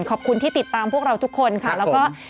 ขอบคุณที่ติดตามพวกเราทุกคนค่ะ